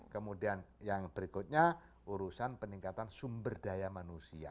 kemudian yang berikutnya urusan peningkatan sumber daya manusia